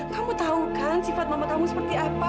kamu tahu kan sifat nama kamu seperti apa